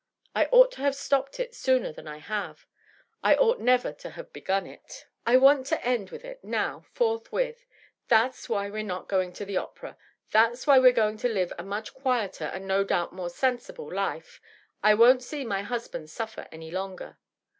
I ought to have stopped it sooner than I have. I ought never to have b^un it. I want to end it now, forthwith. That's why we're not. going to the opera. That's . why we're going to live a much quieter and no doubt more sensible life. I won't see my husband suffer any longer."